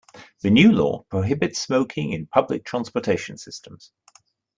The new law prohibits smoking in public transportation systems.